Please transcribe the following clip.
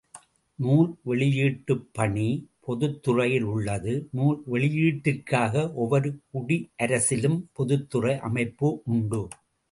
நூல் வெளியீட்டுப்பணி, பொதுத்துறையில் உள்ளது நூல் வெளியீட்டிற்காக, ஒவ்வொரு குடியரசிலும் பொதுத்துறை அமைப்பு உண்டு.